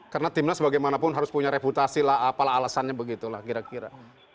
karena tim nasional bagaimanapun harus punya reputasi lah apalah alasannya begitu lah kira kira